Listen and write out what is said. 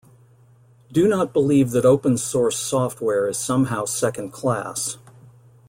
Do not believe that open source software is somehow second-class.